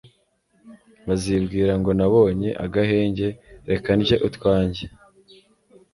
bazibwira ngo nabonye agahenge, reka ndye utwanjye